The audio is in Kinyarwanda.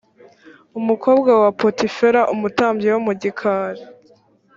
umukobwa wa potifera umutambyi wo mu gikari